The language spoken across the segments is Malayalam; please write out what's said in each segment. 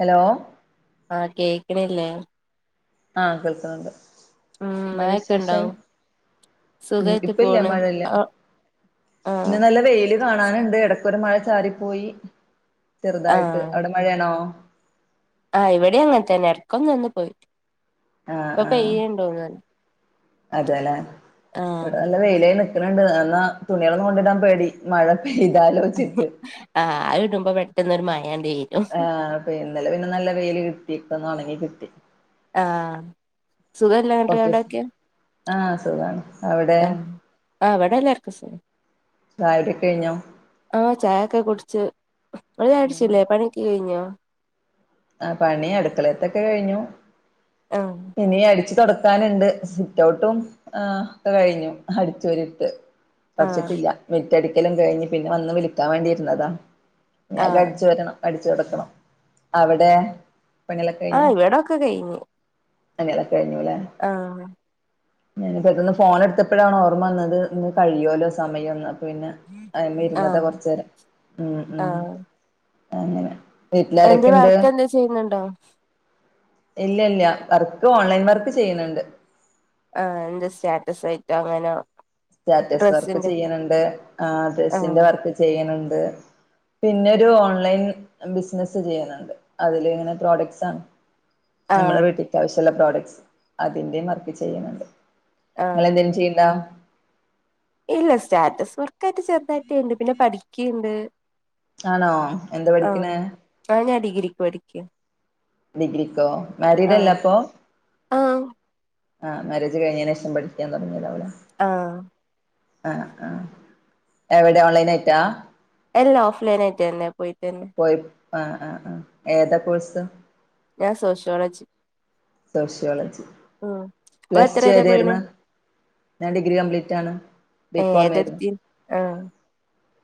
ഹലോ ആ കേക്കണില്ലേ ആ കേൾക്കുന്നുണ്ട് ഉം എന്താ മഴൊക്കെ വിശേഷം ഇണ്ടാവും ഉ സുഖായിട്ട് ഇപ്പ ഇല്ല്യ പോണ് മഴ ഇല്ല ആഹ് ആഹ് ഇന്ന് നല്ല വെയില് കാണാനുണ്ട് ഇടക്കൊരു മഴ ചാറി പ്പോയി ചെറുതായിട്ട് അവിടെ മഴയാണോ ആ ഇവിടേം അങ്ങനെ തന്നെ ഇടക്ക് ഒന്ന് വന്ന് പോയി ആ ഇപ്പൊ ആ പെയ്യണ്ടോ തോന്നുന്നു അതെലെ ആഹ് ഇബടെ നല്ല വെയിലായി നിക്ക്ണണ്ട് എന്നാ തുണികളൊന്നും കൊണ്ടിടാൻ പേടി മഴ പെയ്താലോചിട്ട് ആ ആ ഇടുമ്പോ പെട്ടെന്നൊരു മയണ്ട പെയ്യും ആ പിന്നെ ഇന്നലെ പിന്നെ വെയിൽ കിട്ടി ഇപ്പൊന്ന് ഉണങ്ങി കിട്ടി ആ സുഖല്ലേ ന്നട്ട് കുറച്ച് ദിവസം അവിടെഒക്കെ ആഹ് സുഖാണ് അവിടെ ആ ആ ഇവടെ എല്ലാർക്കും സുഖം ചായ കുടി ഒക്കെ കഴിഞ്ഞോ ആ ചായൊക്കെ കുടിച്ചു ഇങ്ങൾ ചായ കുടിച്ചില്ലേ പണിയൊക്കെ കഴിഞ്ഞോ ആ പണി അടുക്കളെത്തൊക്കെ കഴിഞ്ഞു ആഹ് ഇനീ അടിച്ചു തുടക്ക തുടക്കാനുണ്ട് സിറ്റ് ഔട്ടും ആ ഒക്കെ കഴിഞ്ഞു അടിച്ച് വരിട്ട് ആഹ് തുടച്ചിട്ടില്ല മിറ്റടിക്കലും കഴിഞ്ഞ് പിന്നെ വന്ന് വിളിക്കാൻ വേണ്ടിയിരുന്നതാ ഇനി അകം ആഹ് അടിച്ചു വാരണം അടിച്ചു തൊടക്കണം അവിടെ പണികളൊക്കെ ആഹ് കഴിഞ്ഞോ ഇവിടൊക്കെ പണി കളൊക്കെ കഴിഞ്ഞൂലെ ആഹ ഞാന ഇപ്പത് ഫോണ് ഇടുത്തപ്പോഴാണ് ഓർമ്മ വന്നത് ഇന്ന് കഴിയുല്ലോ സമയംന്ന് അപ്പ പിന്നെ അതിമെ ഇരുന്നത ആഹ് കുറച്ചു നേരം ഉം ഉം ആഹ് അങ്ങനെ വീട്ടിലാരൊക്കെ നീ വർക്ക് എന്തകിലും ചെയ്യുന്നുണ്ടോ ഇല്ല ഇല്ല വർക്ക് ഓൺലൈൻ വർക്ക് ചെയ്യുന്നുണ്ട് ആ എന്താ സ്റ്റാറ്റസ് ആയിട്ടോ അങ്ങനെ സ്റ്റാറ്റസ് വർക്ക് ചെയ്യണണ്ട് ആ ആഹ് ഡ്രസിന്റെ വർക്ക് ചെയ്യണണ്ട് പിന്നെ ഒരു ഓൺലൈൻ ബിസിനസ്സ് ചെയ്യുണണ്ട് അതില് ഇങ്ങനെ പ്രോഡക്ട്സ് ആണ് നമ്മുടെ ആഹ് വീട്ടിക്ക് ആവശ്യമുള്ള പ്രോഡക്ട്സ് അതിന്റെയും വർക്ക് ചെയ്യുന്നുണ്ട് ഇങ്ങൾ ആഹ് എന്തേലും ചെയ്യ്ണ്ട ഇല്ല സ്റ്റാറ്റസ് വർക്കായിട്ട് ചെറുതായിട്ട് ണ്ട് പിന്നെ പഠിക്ക്‌ണ്ട് ആണോ എന്താ പഠിക്ക്‌ണ് ആ ഞാൻ ഡിഗ്രിക്ക് പഠിക്കാ ഡിഗ്രിക്കോ മാരീഡ് അല്ല ആഹ് അപ്പൊ ആഹ് ആ മാരേജ് കഴിഞ്ഞതിനന് ശേഷം പഠിക്കാൻ തുടങ്ങിയതാവുല്ലേ ആഹ് ആ ആ എവിടെ ഓൺലൈൻ ആയിട്ടാ അല്ല ഓഫ് ലൈനായിട്ടെന്നെ പോയിട്ടെന്നെ പോയി ആ ആ ആ ഏതാ കോഴ്സ് ഞാൻ സോഷ്യോളജി സോഷ്യോളജി ഉം ഇങ്ങള് പ്ലസ് എത്ര ടു വരെ ഏത് പോയിണ് രുന്നു ഞാൻ ഡിഗ്രി കംപ്ലീറ്റ് ആണ് ഏഹ് ബികോം ആയിരുന്നു ഏതെടുത്തി ആഹ്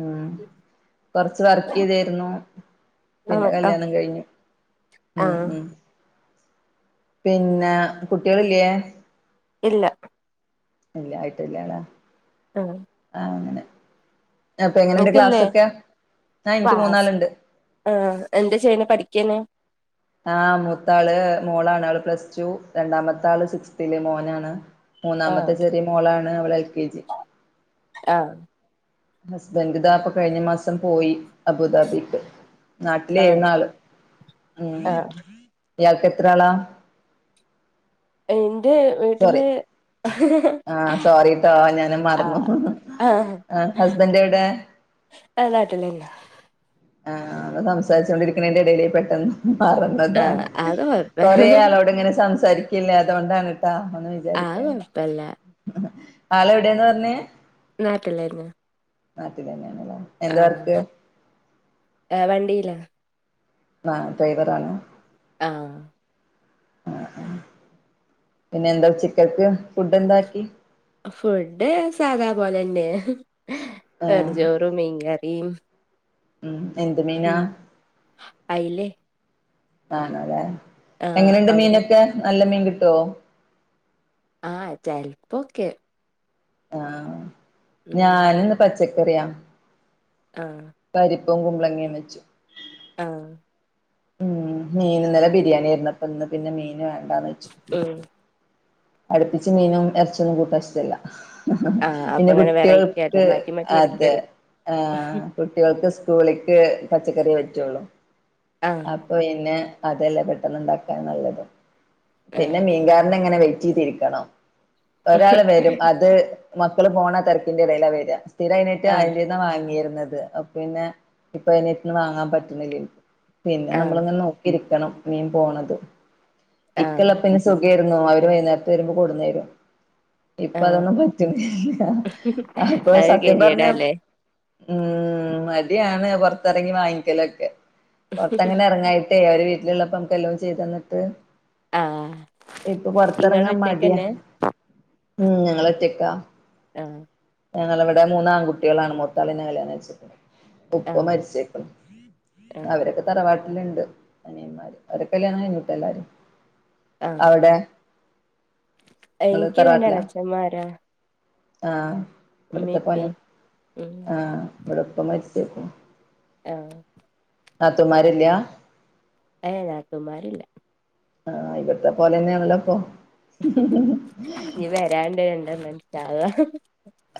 ഉം കൊറച്ച് വർക്ക് ചെയ്തായിരുന്നു പിന്നെ ആഹ് ആഹ് കല്യാണം കഴിഞ്ഞു ഉം ആഹ് ഉം പിന്നെ കുട്ടികളില്ലേ ഇല്ല ഇല്ല ആയിട്ടില്ല ലെ അ ആ അങ്ങനെ അപ്പൊ എങ്ങനെയുണ്ട് ഇങ്ങക്കില്ലേ ക്ലാസ്സൊക്കെ ആ എനിക്ക് മൂന്നാള് ഇണ്ട് ആ എന്താ ചെയ്യണേ പഠിക്കേനേ ആ മൂത്ത ആള് മോളാണ് ആള് പ്ലസ് ടു രണ്ടാമത്തെ ആള് സിക്സ്ത്തില് മോനാണ് ആഹ് മൂന്നാമത്തെ ചെറിയ മോളാണ് അവള് എൽ കെ ജി ആഹ് ഹസ്ബന്റദാ പ്പൊ കഴിഞ്ഞ മാസം പോയി അബുദാബിക്ക് ആഹ് നാട്ടിലേര്ന്നാള് ആഹ് ഉംഇയാൾക്കെത്രാളാ എന്റെ വീട്ടില് [unintelligible] ആ സോറിട്ടോ ഞാന ആഹ് മറന്നു ആഹ് ഹസ്ബന്റെവ്ടെ അ നാട്ടിലന്നെ ആഹ് ആ ങ്ങള് ഉം സംസാരിച്ചുകൊണ്ടിരിക്കണന്റെടേലേ പെട്ടെന്ന് മാറന്നു ആഹ് അത് [unintelligible] കൊഴപ്പ കൊറേ ആളോടിങ്ങനെ സംസാരിക്ക ഇല്ല അതൊണ്ടാണ്ട്ട്ടാ ഒന്നും അത് വിചാരിക്കണ്ട കൊഴപ്പല്ല ആളെവിടേന്നാറഞ്ഞേ നാട്ടിലേന്നെ നാട്ടിലന്നേണല്ലാ ആഹ് ഏ വണ്ടീലാ ആഹ് ഡ്രൈവറാണ് ആഹ് [unintelligible] പിന്നെന്താ ഉച്ചക്കൽക്ക്‌ ഫുഡ്ന്താക്കി ഫുഡ് സാധാ പോലന്നെ വെറും ആഹ് ചോറും മീൻകറിം ഉം എന്ത് മീനാ അയിലെ ആണോല്ലേ ആഹ് എങ്ങനുണ്ട് അവിടെ മീനൊക്കെ നല്ല മീൻ കിട്ടോ ആഹ് ചെൽപ്പൊക്കെ ആഹ് ഉം ഞാനിന്ന് പച്ചക്കറിയാ ആഹ് പരിപ്പും കുമ്പളങ്ങേ വെച്ചു ആഹ് ഉം മീന് ന്നലെ ബിരിണേര്ന്നു ഇന്ന് പിന്നെ മീന് വേണ്ടന്ന് വെച്ച് ഉം അടുപ്പിച്ച് മീനും എറച്ചിയൊന്നും കൂട്ടാം ഇഷ്ടല്ല ആഹ് അപ്പൊ പിന്നെ ഇങ്ങനെ വെറൈറ്റി അല്ലേ കുട്ട്യേൾക്ക് മാറ്റി മാറ്റി അതെ പഠിക്കല്ലേ ആഹ് കുട്ട്യേൾക്ക് സ്കൂൾക്ക് പച്ചക്കറി പറ്റുള്ളു ആഹ് അപ്പൊ ഇന്നേ അതെല്ലേ പെട്ടെന്ന് ണ്ടാക്കാൻ നല്ലത് പിന്നെ ആഹ് മീൻകാരനെങ്ങനെ വെയിറ്റീതിരിക്കണം. ഒരാള് വരും അത് മക്കള് പോണ തതിരക്കിന്റെടയില വര സ്ഥിരയിഞ്ഞെട്ടു ആഹ് അയിന്റെന്ന വാങ്ങിര്ന്നത് പിന്നെ ഇപ്പൊ അയിന്റെട്ട്ന്ന് വാങ്ങാൻ പറ്റുണില്ലാ പിന്നെ ആഹ് നമ്മളിങ്ങനെ നോക്കിരിക്കണം മീൻ പോണത് ഇക്കള്ള ആഹ് പിന്നെ സുകേ ര്ന്നു അവര് വൈന്നേരത്ത് വരുമ്പോ കൊടുന്നേരും ആഹ് ഇപ്പതൊന്നും പറ്റണില്ല അപ്പൊ അതൊരു സത്യം പറഞ്ഞ ഗതികേടാല്ലേ ഉം മടിയാണ് പുറത്തറങ്ങി വാങ്ങിക്കലൊക്കെ പൊറത്ത്ങ്ങനെ ഇറങ്ങായി ട്ടെയ് അവര് വീട്ടിലുള്ളപ്പം ഞമ്മക്കെല്ലാം ചെയ്തന്നിട്ട് ആഹ് ഇപ്പൊ പുറത്ത് ഇങ്ങള് ർത്തെറങ്ങാൻ മടിയാ ഒറ്റക്കന്നെ ഉം ഞങ്ങളൊറ്റക്കാ ആ ഞങ്ങളവ്ടെ മൂന്നാങ്ങുട്ട്യാളാണ് മുത്താള് ന്നെ കല്യാണം കൈച്ച്ക്ണ് ഉപ്പ ആഹ് മരിച്ചേക്കുണ് ആഹ് അവരൊക്കെ തറവാട്ടില്ണ്ട് അനിയന്മാര് അവരെ കല്യാണം കഴിഞ്ഞുട്ടോ എല്ലാരേം ആഹ് അവടെ ങ്ങള് എനിക്ക് രണ്ട് തറവാട്ടിലാ എളച്ചന്മാരാ ആഹ് ഉമ്മീം ഇവ്ട്ത്തെ പണി ഇപ്പീം ഉം ആ ഇവിടെപ്പ മരിച്ചേക്കുണു ആ [unintelligible] നാത്തൂമാരില്ലാ ഏ നാത്തൂന്മാരില്ല ആ ഇവ്ട്ത്തെ പോലെന്നെണല്ലോ പ്പോ ഞ്ഞി വെരാണ്ട് രണ്ടെണ്ണം ന്താവാ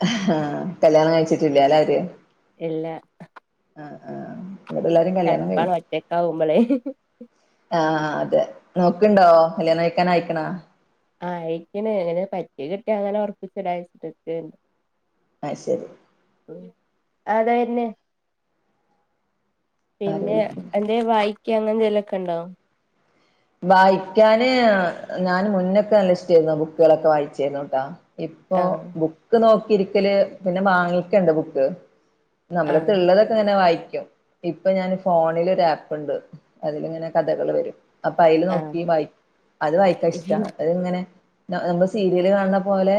ആ കല്യാണം കഴിച്ചിട്ടില്ലല്ലേ അവര് എല്ലാ ആ ആ ഇവരെല്ലാരേം കല്യാണം കഴിഞ് ചടപ്പാണ് ഒറ്റക്കാവുമ്പളേ ആ ആ അതെ നോക്ക്ണ്ടോ കല്യാണം കയിക്കാനായ്ക്ക്ണോ ആയിക്ണ് ഇങ്ങനെ പറ്റിയത് കിട്ടിയ അങ്ങനെ ഒർപ്പിച്ചിടാച്ചിട്ടേന്ന് അത് ശെരി ആര് പിന്നെ വിളിക്കുന്നു അ ന്തെ വായിക്ക അങ്ങനെന്തേലൊക്കെണ്ടോ വായിക്കാന് ഞാന് മുന്നൊക്കെ ല്ലശ്ട്ടേന്നു ബുക്കാളൊക്കെ വായിച്ചുന്നുട്ടോ ഇപ്പൊ ആഹ് ബുക്ക് നോക്കിരിക്കല് പിന്നെ വാങ്ങിക്കണ്ടെ ബുക്ക് ആഹ് നമ്മളെട്ത്ത്ള്ളത് ങ്ങനെ വായിക്കും ഇപ്പൊ ഞാൻ ഫോണില് ഒരു ആപ്പ്ണ്ട് അതിലിങ്ങനെ കഥകള് വെരും അപ്പ അയ്ല് നോക്കി ആഹ് വായി അത് വായിക്കാ ഇഷ്ട അത്ങ്ങനെ നമ്മള് സീരിയല് കാണുന്ന പോലെ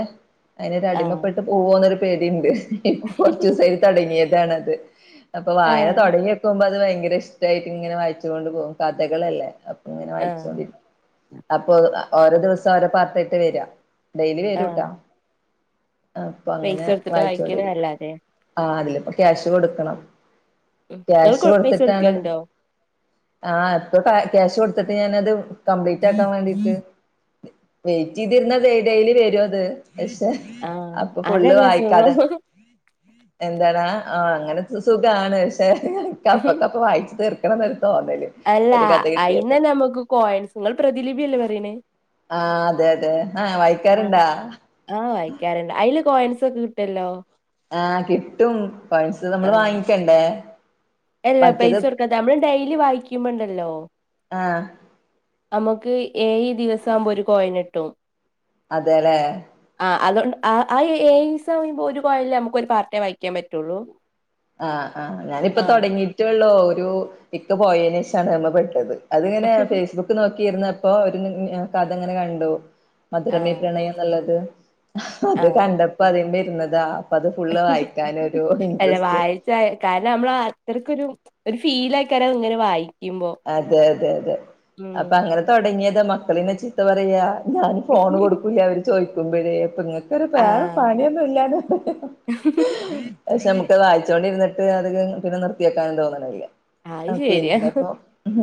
അതിനൊരു ആഹ് അടിമപ്പെട്ട് പോവോന്നൊരു പേടിണ്ട് ൻക്ക് കൊർച്ചുസായിട്ട് തൊടങ്ങിയതാണത് അപ്പൊ വായന ആഹ് തൊടങ്യോക്കുമ്പോ അത് ഭയങ്കര ഇഷ്ടായിട്ട് ങ്ങനെ വായിച്ചോണ്ട് പോവും കഥകളല്ലേ പ്പങ്ങനെ ആഹ് വായിച്ചോണ്ടിരി അപ്പൊ ഓരോ ദിവസം ഓരോ പാർട്ടായിട്ട വെര ഡെയ്ലി വെരൂട്ടോ ആഹ് പൈസ അപ്പങ്ങനെ കൊടുത്തിട്ടാ വായിക്ക്ണെ വായിച്ചോണ്ടിരി അല്ലാതെ ആ അതിലിപ്പൊ ക്യാഷ് കൊടുക്കണം ഉം ഇങ്ങള് ക്യാഷ് കൊ പൈസ കൊടുത്തിട്ടാണ് കൊടുക്കലുണ്ടോ ആ ഇപ്പൊ കാ ക്യാഷ് കൊടുത്തിട്ട് ഞാനത് കംപ്ലീറ്റാക്കാൻ വേണ്ടീട്ട് വെയിറ്റ്തിരുന്ന ഡെയ്ലി വെരും അത് പക്ഷെ ആഹ് അപ്പൊ ഫുള്ള് അതല്ലേ സുഖം വായിക്കാതെ എന്തടാ ആ അങ്ങനെ സുഖാണ് പക്ഷെ കപ്പക്കപ്പ വായിച്ച് തീർ ക്കണം ന്നൊരു തോന്നല് അല്ല ഒരു കഥ അയിന്ന് കിട്ടിയപ്പോ നമ്മക്ക് കോയിൻസ് ങ്ങള് പ്രതിലിഭില്ലേ പറീണേ ആ അതെ അതെ ആ വായിക്കാറ്ണ്ടോ ആ വായിക്കാറ്ണ്ട് അയ്ല് കോയിൻസൊക്കെ കിട്ടൊല്ലോ ആ കിട്ടും പൈസ നമ്മള് വാങ്ങിക്കണ്ടേ എല്ല മറ്റത് പൈസ കൊടുക്കാത്തെ നമ്മള് ഡെയ്ലി വായിക്കുമ്പണ്ടല്ലോ ആ നമ്മക്ക് ഏയ് ദിവസാവുമ്പോ ഒരു കോയിന് കിട്ടും അതെ ലെ ആ അതോണ്ട് ആ ആ ഏയീസയ്യുമ്പോ ഒരു കോയില് നമ്മക്ക് ഒരു പാർട്ടേ വായിക്കാൻ പറ്റുള്ളൂ ആ ആ ഞാനിപ്പോ ആഹ് തൊടങ്ങിറ്റൊള്ളൂ ഒരു ക്ക പോയേനേഷാണ് അയ്മ്മ പെട്ടത് അതിങ്ങനെ ഫേസ്ബുക്ക് നോക്കിയിരുന്നപ്പോ ഒരു കഥ ങ്ങനെ കണ്ടു മധുരമേ ആഹ് പ്രണയം ന്ന്ള്ളത് അത് ആഹ് കണ്ടപ്പോ അധിമ്മേ ഇരുന്നതാ അപ്പൊ അത് ഫുള്ള് വായിക്കാനൊരു ഇൻട്രസ്റ്റ് റ്റായ് കാരണം നമ്മള് അത്രക്കൊരു ഒരു ഫീലേക്കാരം അത് ഇങ്ങനെ വായി അതെ അതെ അതെ അപ്പൊ അങ്ങനെ തൊടങ്ങിയതാ മക്കളിന്നെ ചീത്ത പറയാ ഞാന് ഫോണ് കൊടുക്കുല്ല അവര് ചോദിക്കുമ്പഴേ പ്പ [inaudible] വേറ ആഹ് പണിയൊന്നും ഇല്ലന്ന് പക്ഷെ നമുക്ക് വായിച്ചോണ്ടിരുന്നിട്ട് അത് പിന്നെ നിർ‌തിയോക്കാനും തോന്ണില്ല അത് ശരിയാ പിന്നപ്പോ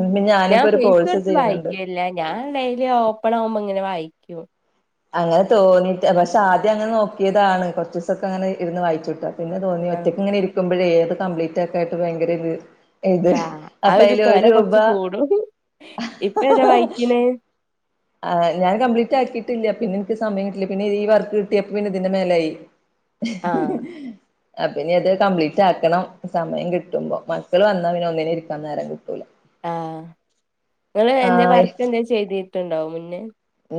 ഉം ഞാൻ ഞാനിപ്പൊരു പേസ് കോഴ്സ് കൊടുത്ത് ചെയ്യണ്ണ്ട് വായിക്കലില്ല ഞാൻ ഡെയിലി ഓപ്പണാവുമ്പോ ഇങ്ങനെ വായി അങ്ങനെ തോന്നിട്ട് പക്ഷെ ആദ്യം അങ്ങനെ നോക്കിയതാണ് കുറച്ചു സൊക്കെ അങ്ങനെ ഇരുന്ന് വായിച്ചുട്ടോ പിന്നെ തോന്നി ആഹ് ഒറ്റയ്ക്ക് ഇങ്ങനെ ഇരിക്കുമ്പഴെ അത് കംപ്ലീറ്റ് ആക്കായിട്ട് ഭയങ്കര ര് ഇത് ആഹ് ആ അപ്പൊ അയില് ഒരു ത്വര രൂപ കൊറച്ച് കൂടും ഇപ്പ ഏതാ വായിക്കണേ ആ ഞാൻ കംപ്ലീറ്റ് ആക്കി ല്ല പിന്നെനിക്ക് സമയം കിട്ടില്ല പിന്നെഈ വർക്ക് കിട്ടിയപ്പ പിന്നെ ഇതിന്റെ മേലായി ആഹ് [inaudible] അപ്പഞ്ഞി അത് കംപ്ലീറ്റ് ആക്കണം സമയം കിട്ടുമ്പോ മക്കൾ വന്നാ പിന്നെ ഒന്നിനും ഇരിക്കാൻ നേരം കിട്ടൂല ആ നിങ്ങള് എന്ത ആഹ് വർക്ക് എന്ത ചെയ്തിട്ടുണ്ടോ മുന്നേ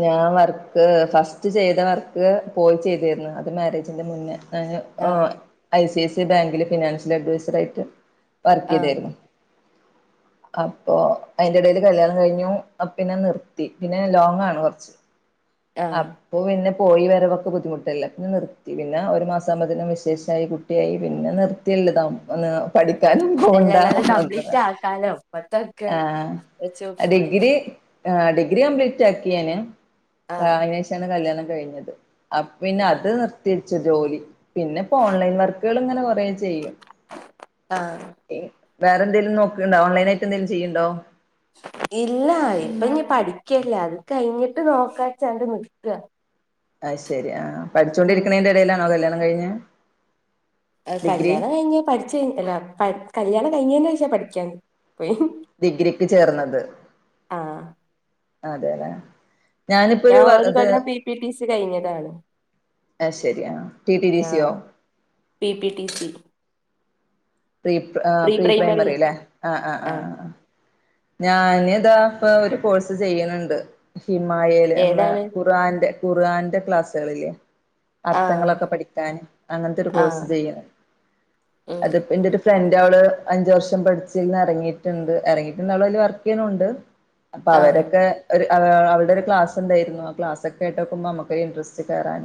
ഞാൻ വർക്ക് ഫസ്റ്റ് ചെയ്ത വർക്ക് പോയി ചെയ്തിരുന്നു അത് മാരേജിന്റെ മുന്നേ ഞ ആഹ് ഐ സി ഐ സിഐ ബാങ്കില് ഫിനാൻഷ്യൽ അഡ്വൈസർ ആയിട്ട് വർക്ക് ആഹ് ചെയ്തായിരുന്നു [inaudible] അപ്പൊ അയിന്റെ ടയില് കല്യാണം കഴിഞ്ഞു പിന്നെ നിർത്തി പിന്നെ ലോങ്ങാണ് കുറച്ച് ആഹ് അപ്പൊ പിന്നെ പോയി വരവൊക്കെ ബുദ്ധിമുട്ടല്ല പിന്നെ നിർത്തി പിന്നെ ഒരു മാസംകുമ്പോേ വിശേഷയി കുട്ടിയായി പിന്നെ നിർത്തിയള്ളുതാ പഠിക്കാനും അല്ല പോണ്ടാ എന്നാലും എന്ന് കംപ്ലീറ്റ് ആഹ് വെച്ച വെക്കുമ്പോളേ ആ ഡിഗ്രി കംപ്ലീറ്റ് ആക്കിയന് ആഹ് കനശാണ് കല്യാണം കഴിഞ്ഞത് പിന്നെ അത് നി തിരിച്ച ജോലി പിന്നെ ഇപ്പോ ഓൺലൈൻ വർക്കുകള് ഇങ്ങനെ കുറ ചെയ്യും ആഹ് വേറെ എന്തെങ്കിലും നോക്കണ്ട ഓൺ ലൈനായിട്ട് എന്തേലും ചെയ്യുണ്ടോ ഇല്ല ഇപ്പൊ ഞ പഠിക്കല്ല അത് കഴിഞ്ഞിട്ട് നോക്കാച്ചണ്ട് നിക്ക ആഹ് ശരി ആഹ് ഉം പഠിച്ചോൊണ്ടിരിക്കുന്നേതിന്റെ ഇടയിലാണോ കല്യാണം കഴിഞ്ഞ് കല്യാണം കിഞ്ഞ് പഠച്ച് കഴ അല്ല കല്യാണം കഴിഞ്ഞോവശ്യം പഠിക്കാന്ന് പോയി ഡിഗ്രിക്ക് ചേർന്നത് ആഹ് അതെല്ലേ ഞാനിപ്പോ ഞാൻ വർ ഒരു ഇത് കൊല്ലം പിപിടിസി കഴിഞ്ഞതാണ് ആഹ് ശരിയ ടി ടി ഡി സിയോ ആഹ് P P T C pre pre primary അല്ലേ ആഹ് ആഹ് ആഹ് ഞാന് ഇതാപ്പ ഒരു കോഴ്സ് ചെയ്യുന്നുണ്ട് ഹിമായേല് നമ്മളെ ഏതാണ് ഖുറആാന്റെ ഖുർആൻറെ ക്ലാസ്സുകളില്ല ആഹ് അർത്ഥങ്ങളൊക്കെ പഠിക്കാൻ അങ്ങനത്തെ ഒരു ആഹ് കോഴ്സ് ചെയ്യണ് ഉം അത്പ്പോ എന്റെ ഒരു ഫ്രണ്ട് അവള് അഞ്ച വർഷം പഠിച്ചന്ന് ഇറങ്ങിയിട്ടുണ്ട് ഇറങ്ങിട്ട് ല് വർക്ക് ചെയ്യുന്നുണ്ട് അപ്പൊ ആഹ് അവരൊക്കെ ഒരു അവളടെ ഒരു ക്ലാസ് ഉണ്ടയിരുന്നു ആ ക്ലാസ്ക്കെ കേട്ടോക്കുമ്പോ നമുക്ക് ഇൻറസ്റ്റ് കയറാൻ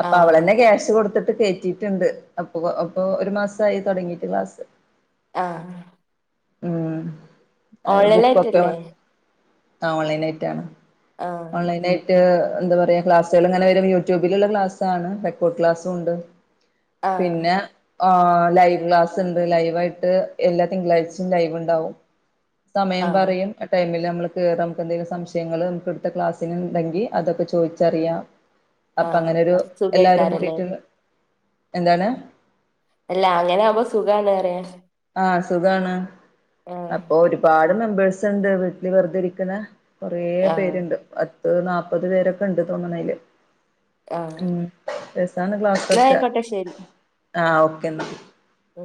അപ്പൊ ആഹ് അവളന്നെ ക്യാഷ് കൊടുത്തിട്ട് കേറ്റിട്ടുണ്ട് അപ്പൊ അപ്പൊ ഒരു മാസയി തുടങ്ങീട്ട് ക്ലാസ് ആഹ് ഉം ബുക്കൊക്കെ ഓൺലൈനായിട്ടല്ലേ ഓൺലൈനായിട്ടാണ് ആഹ് ഓൺലൈനായിട്ട് എന്ത പറയാ ക്ലാസ്സുകൾ അങ്ങനെ വരും യൂട്യൂബില ക്ലാസ്സാണ് റെക്കോഡ് ക്ലാസ്സുംണ്ട് ആഹ് പിന്നെ ആഹ് ലൈവ് ക്ലാസ് ഉണ്ട് ലൈവ് ആയിട്ട് എല്ലാ തിങ്കളാഴ്ചയും ലൈവ് ണ്ടാവും സമയം ആഹ് പറയും ആ ടൈമിൽ നമ്മള് കേറ നമുക്ക് എന്തെങ്കിലുംശയങ്ങള് നമുക്ക് എടു ത്തെ ക്ലാസ്സിനണ്ടെങ്കി അതൊക്കെ ചോയിച്ചറിയാ അപ്പൊ ആഹ് അങ്ങനെരു എല്ലാരും സുഖേക്കാരല്ലേ കൂടിട്ട്ള്ള എന്താണ് അല്ല അങ്ങനെ ആമ്പോ സുഖന്ന് അറയാ ആഹ് സുഖാണ് അപ്പൊ ഒരുപാട് മെമ്പേഴ്സ് ണ്ട് വീട്ടിൽ വെറുതി ഇരിക്കുന്ന കൊറ ആഹ് പേരുണ്ട് പത്ത് നാല്പത് പേരൊക്കെ ഉണ്ട് തോന്നണ് അയില് ആഹ് ഉം എന്നാ രസണ്ക്ലാസക്കെ ആയിക്കോട്ടെ ശരി ആഹ് ഓക്കെ ന്ന മം